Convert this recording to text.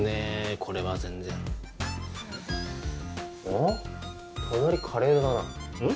これは全然あっ隣カレーだなうん？